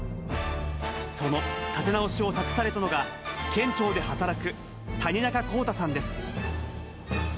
その立て直しを託されたのが、県庁で働く谷中康太さんです。